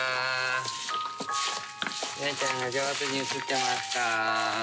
大ちゃんが上手に映ってますか？